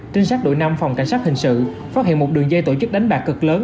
trinh sát đội năm phòng cảnh sát hình sự phát hiện một đường dây tổ chức đánh bạc cực lớn